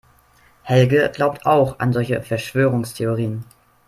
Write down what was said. Helge glaubt auch an solche Verschwörungstheorien.